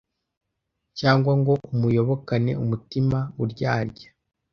cyangwa ngo umuyobokane umutima uryarya